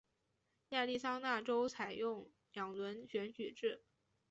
亚利桑那州采用两轮选举制。